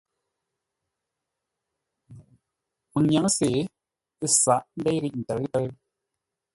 Məŋ nyǎŋ-sê ə́ sǎghʼ ndéi ghíʼ ntə̌ʉ-ntə́ rəngû.